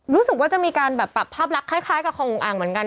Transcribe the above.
รู้สึกว่าจะมีการแบบปรับภาพลักษณ์คล้ายกับของอุงอ่างเหมือนกัน